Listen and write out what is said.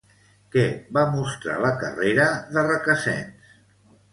Què va mostrar la carrera de Recasens?